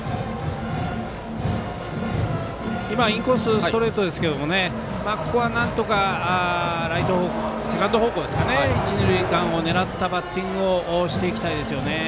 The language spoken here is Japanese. インコースストレートですけどここはなんとか、セカンド方向一、二塁間を狙ったバッティングをしていきたいですよね。